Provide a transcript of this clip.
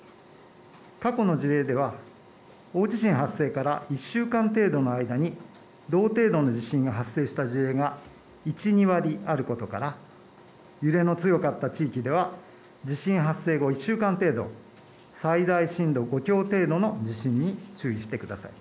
過去の事例では大地震発生から１週間程度の間に同程度の地震が発生した事例が１、２割あることから揺れの強かった地域では地震発生後１週間程度、最大震度５強程度の地震に注意してください。